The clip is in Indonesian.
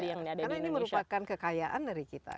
karena ini merupakan kekayaan dari kita